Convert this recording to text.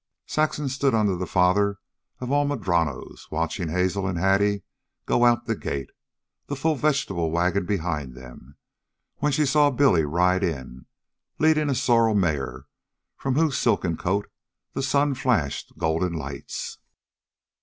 Saxon stood under the father of all madronos, watching Hazel and Hattie go out the gate, the full vegetable wagon behind them, when she saw Billy ride in, leading a sorrel mare from whose silken coat the sun flashed golden lights.